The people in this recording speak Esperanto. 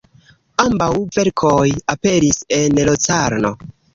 Ambaŭ verkoj aperis en Locarno.